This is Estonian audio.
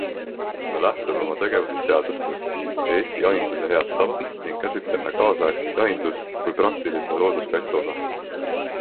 Me lähtume oma tegevuses seadustest ja Eesti jahinduse heast tavast ning käsitleme kaasaegset jahindust kui praktilise looduskaitse osa.